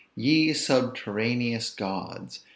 "Ye subterraneous gods!